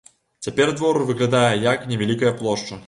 Цяпер двор выглядае як невялікая плошча.